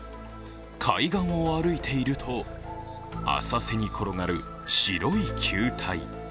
海岸を歩いていると浅瀬に転がる白い球体。